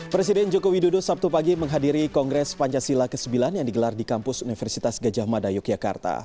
presiden joko widodo sabtu pagi menghadiri kongres pancasila ke sembilan yang digelar di kampus universitas gajah mada yogyakarta